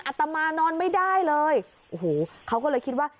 ตมานอนไม่ได้เลยโอ้โหเขาก็เลยคิดว่า